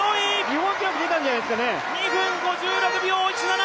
日本記録出たんじゃないですかね？